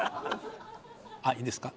あっいいですか？